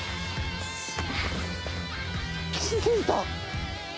気づいた？